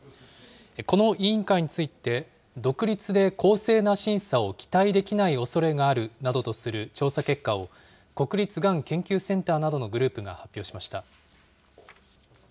この委員会について、独立で公正な審査を期待できないおそれがあるなどとする調査結果を、国立がん研究センターなどのグループが発表しました。